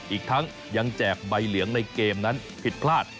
อีกทั้งยังแจกใบเหลืองในเกมนั้นผิดพลาด